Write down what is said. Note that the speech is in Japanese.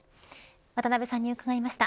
渡辺さんに伺いました。